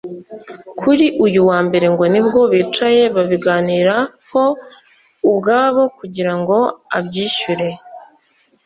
Kuri uyu wa Mbere ngo nibwo bicaye babiganiraho ubwabo kugira ngo abyishyure